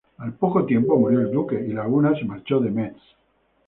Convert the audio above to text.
Al poco tiempo murió el duque y Laguna se marchó de Metz.